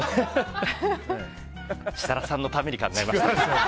設楽さんのために考えましたので。